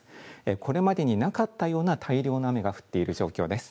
これまでになかったような大量の雨が降っている状況です。